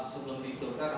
sebelum di filter